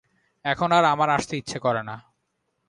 এখন আর আমার আসতে ইচ্ছে করে না।